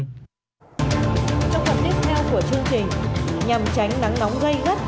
trong phần tiếp theo của chương trình nhằm tránh nắng nóng gây gắt